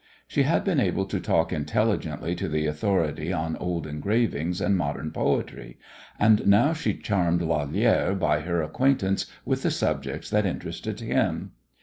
She had been able to talk intelligently to the authority on old engravings and modern poetry, and now she charmed Lalère by her acquaintance with the subjects that interested him.